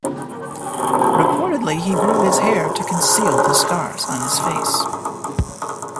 Reportedly he grew his hair to conceal the scars on his face.